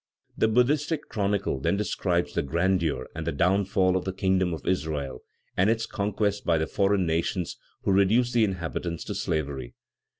The Buddhistic chronicle then describes the grandeur and the downfall of the kingdom of Israel, and its conquest by the foreign nations who reduced the inhabitants to slavery.